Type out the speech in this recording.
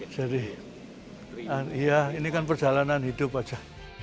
jadi ya ini kan perjalanan hidup aja